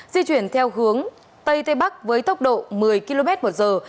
di chuyển theo hướng tây tây bắc với tốc độ một mươi km một giờ